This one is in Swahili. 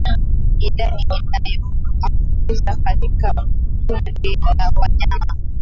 Idadi inayoambukizwa katika kundi la wanyama